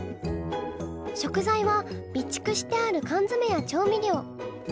食材は備蓄してある缶詰や調味料。